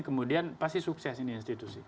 kemudian pasti sukses ini institusi